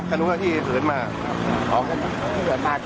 เมื่อเวลาเมื่อเวลา